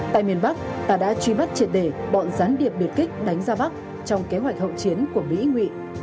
tại miền bắc ta đã truy bắt triển đề bọn gián điệp biệt kích đánh ra bắc trong kế hoạch hậu chiến của mỹ nghị